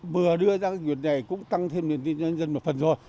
vừa đưa ra cái quyền này cũng tăng thêm niềm tin cho nhân dân một phần rồi